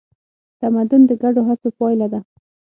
تمدن د ګډو هڅو پایله ده.